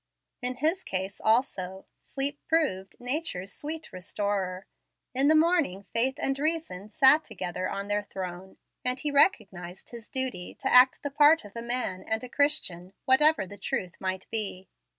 In his case also sleep proved "nature's sweet restorer." In the morning faith and reason sat together on their throne, and he recognized his duty to act the part of a man and a Christian, whatever the truth might be.